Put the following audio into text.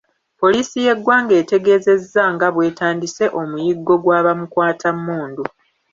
Poliisi y’eggwanga etegeezezza nga bwetandise omuyiggo gwa bamukwatammundu.